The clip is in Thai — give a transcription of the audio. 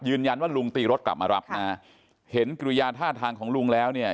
ลุงตีรถกลับมารับนะเห็นกิริยาท่าทางของลุงแล้วเนี่ย